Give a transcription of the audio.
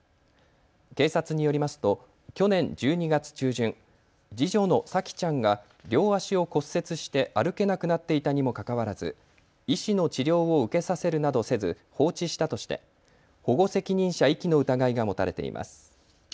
警察によりますと去年１２月中旬、次女の沙季ちゃんが両足を骨折して歩けなくなっていたにもかかわらず医師の治療を受けさせるなどせず放置したとして保護責任者遺棄の疑いが持たれています。